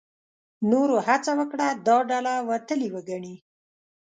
نورو هڅه وکړه دا ډله وتلې وګڼي.